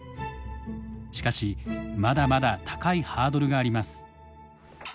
しかしまだまだ高いハードルがあります。